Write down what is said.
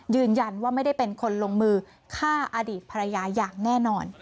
ยืนยันว่าไม่ได้เป็นคนลงมือฆ่าอดีตภรรยาอย่างแน่นอน